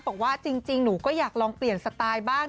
บอกว่าจริงหนูก็อยากลองเปลี่ยนสไตล์บ้าง